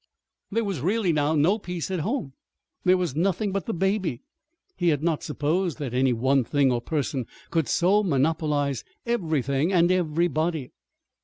There was really now no peace at home. There was nothing but the baby. He had not supposed that any one thing or person could so monopolize everything and everybody.